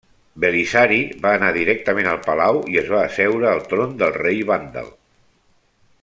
Belisari va anar directament al palau i es va asseure al tron del rei vàndal.